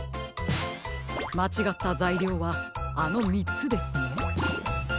まちがったざいりょうはあの３つですね。